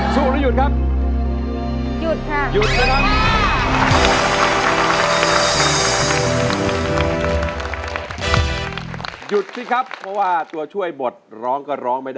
หรือหยุดครับหยุดค่ะหยุดนะครับ